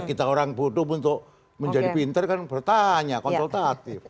kita orang bodoh untuk menjadi pinter kan bertanya konsultatif